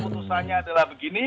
putusannya adalah begini